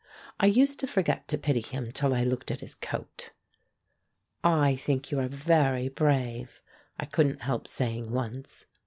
I used to forget to pity him till I looked at his coat. "I think you are very brave," I couldn't help saying once.